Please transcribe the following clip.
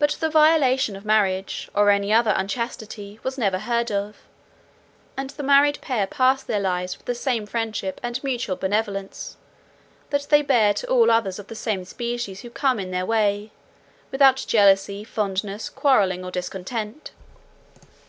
But the violation of marriage, or any other unchastity, was never heard of; and the married pair pass their lives with the same friendship and mutual benevolence, that they bear to all others of the same species who come in their way, without jealousy, fondness, quarrelling, or discontent.